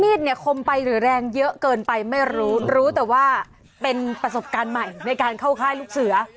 เนี่ยคมไปหรือแรงเยอะเกินไปไม่รู้รู้รู้แต่ว่าเป็นประสบการณ์ใหม่ในการเข้าค่ายลูกเสือ